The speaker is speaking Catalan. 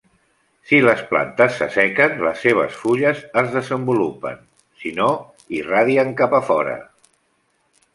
Si les plantes s'assequen, les seves fulles es desenvolupen, si no, irradien cap a fora.